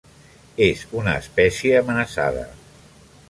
És una espècie amenaçada.